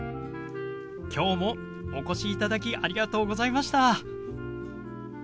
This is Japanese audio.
今日もお越しいただきありがとうございました。